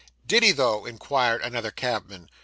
'Did he though?' inquired another cabman.